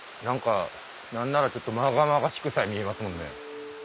何ならちょっとまがまがしくさえ見えますもんね。